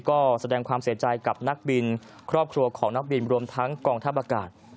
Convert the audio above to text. ก็แสดงความเสียใจกับนักบินครอบครัวของนักบินรวมทั้งกองทัพอากาศ